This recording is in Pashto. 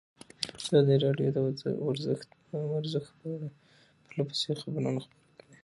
ازادي راډیو د ورزش په اړه پرله پسې خبرونه خپاره کړي.